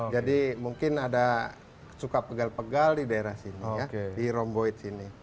jadi mungkin ada suka pegal pegal di daerah sini ya di rhomboid sini